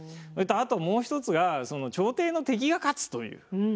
あともう一つが朝廷の敵が勝つという。